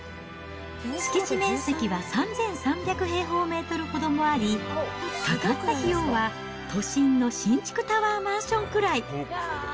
敷地面積は３３００平方メートルほどもあり、かかった費用は都心の新築タワーマンションぐらい。